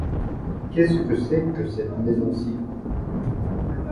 Qu'est-ce que c'est que cette maison-ci?